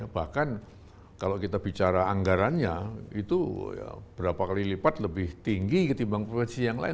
bahkan kalau kita bicara anggarannya itu berapa kali lipat lebih tinggi ketimbang provinsi yang lain